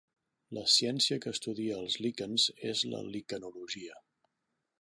La ciència que estudia els líquens és la liquenologia.